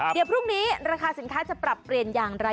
เดี๋ยวพรุ่งนี้ราคาสินค้าจะปรับเปลี่ยนอย่างไร